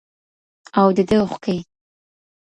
او دده اوښكي